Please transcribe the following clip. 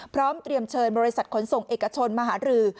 พร้อมเตรียมเชิญบริษัทขนส่งเอกชนมหารือ